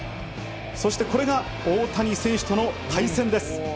そしてこれが大谷選手との対戦です。